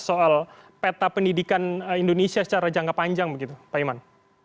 soal peta pendidikan indonesia secara jangka panjang begitu pak iman